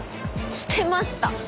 捨てました。